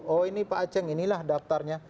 oh ini pak aceng inilah daftarnya